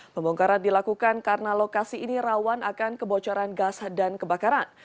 pembongkaran dilakukan karena lokasi ini rawan akan kebocoran gas dan kebakaran